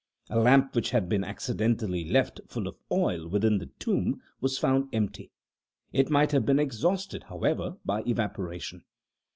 A lamp which had been accidentally left, full of oil, within the tomb, was found empty; it might have been exhausted, however, by evaporation.